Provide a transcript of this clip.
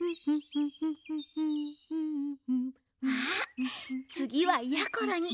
あつぎはやころに。